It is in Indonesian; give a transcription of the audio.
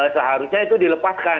seharusnya itu dilepaskan